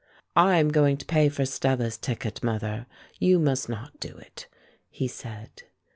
"I am going to pay for Stella's ticket, mother. You must not do it," he said.